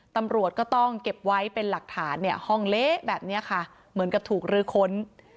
ตำรวจก็ต้องเก็บไว้เป็นหลักฐานเนี่ยห้องเละแบบนี้ค่ะเหมือนกับถูกรื้อค้น